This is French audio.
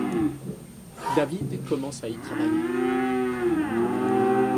David commence à y travailler.